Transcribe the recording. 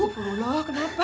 tepuluh loh kenapa